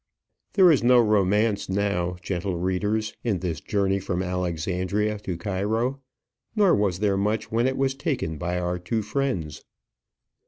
There is no romance now, gentle readers, in this journey from Alexandria to Cairo; nor was there much when it was taken by our two friends.